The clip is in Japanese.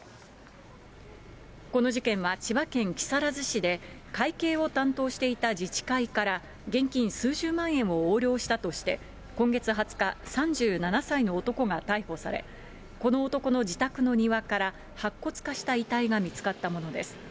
この事件は千葉県木更津市で、会計を担当していた自治会から、現金数十万円を横領したとして、今月２０日、３７歳の男が逮捕され、この男の自宅の庭から、白骨化した遺体が見つかったものです。